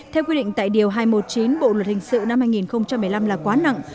theo quy định tại điều hai trăm một mươi chín bộ luật hình sự năm hai nghìn một mươi năm là quá nặng